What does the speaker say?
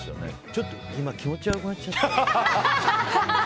ちょっと今気持ち悪くなっちゃって。